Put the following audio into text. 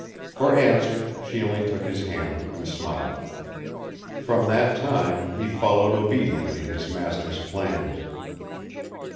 For answer she only took his hand and smiled. From that time he followed obediently his master's plans.